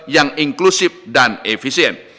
yang inklusif dan efisien